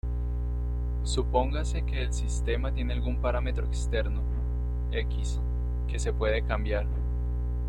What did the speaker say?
Supóngase que el sistema tiene algún parámetro externo, "x", que se puede cambiar.